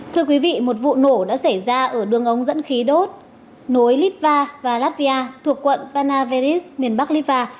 thưa quý vị một vụ nổ đã xảy ra ở đường ống dẫn khí đốt nối litva và latvia thuộc quận panavis miền bắc livar